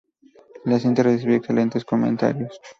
La cinta recibió excelentes comentarios.